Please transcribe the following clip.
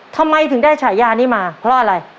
ทำไมถึงได้ฉายานี้มาเพราะอะไร